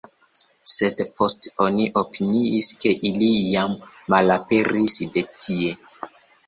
Sed poste oni opiniis ke ili jam malaperis de tie.